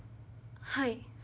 はい。